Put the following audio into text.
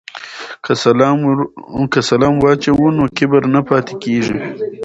که سلام واچوو نو کبر نه پاتې کیږي.